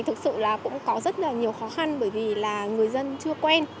thực sự là cũng có rất là nhiều khó khăn bởi vì là người dân chưa quen